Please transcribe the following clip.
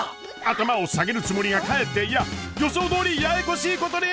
頭を下げるつもりがかえっていや予想どおりややこしいことに！